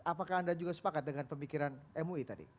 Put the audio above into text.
apakah anda juga sepakat dengan pemikiran mui tadi